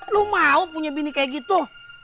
lo mau punya bini kayak gitu